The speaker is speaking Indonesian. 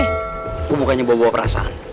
itu bukannya bawa bawa perasaan